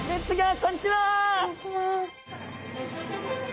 こんにちは。